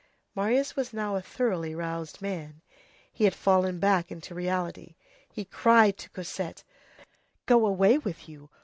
Marius was now a thoroughly roused man. He had fallen back into reality. He cried to Cosette:— "Go away with you!